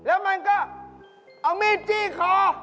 แล้วมันก็เอามีดจี้คอ